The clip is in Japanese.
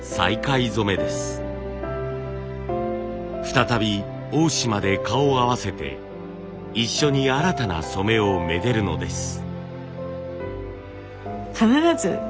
再び大島で顔を合わせて一緒に新たな染めをめでるのです。